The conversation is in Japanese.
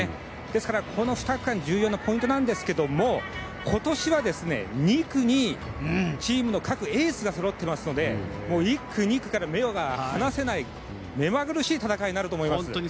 ですから、この２区間が重要なポイントですが今年は２区にチームの各エースがそろっていますので１区、２区から目が離せない目まぐるしい戦いになると思います。